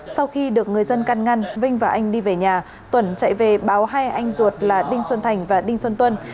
sau khi được người dân căn ngăn vinh và anh đi về nhà tuẩn chạy về báo hai anh ruột là đinh xuân thành và đinh xuân tuân